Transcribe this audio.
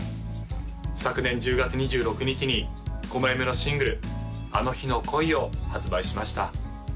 昨年１０月２６日に５枚目のシングル「あの日の恋」を発売しました